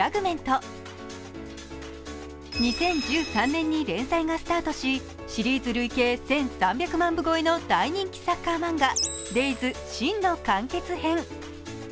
２０１３年に連載がスタートし、シリーズ累計１３００万部超えの大人気サッカー漫画「ＤＡＹＳ」真の完結編。